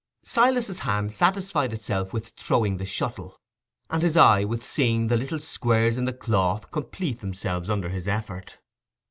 Silas's hand satisfied itself with throwing the shuttle, and his eye with seeing the little squares in the cloth complete themselves under his effort.